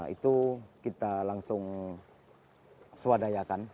itu kita langsung swadayakan